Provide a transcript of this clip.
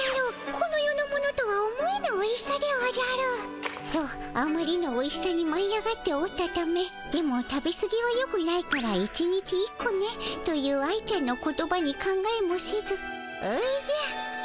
この世のものとは思えぬおいしさでおじゃる。とあまりのおいしさにまい上がっておったため「でも食べすぎはよくないから１日１個ね」という愛ちゃんの言葉に考えもせず「おじゃ」と答えてしもうたのじゃ。